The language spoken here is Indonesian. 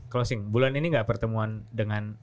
closing bulan ini nggak pertemuan dengan